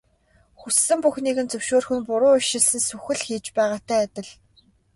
Хүссэн бүхнийг нь зөвшөөрөх нь буруу ишилсэн сүх л хийж байгаатай адил.